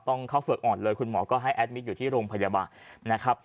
ต้องเข้าเฝือกอ่อนเลยคุณหมอก็ให้แอดมิตรอยู่ที่โรงพยาบาลนะครับ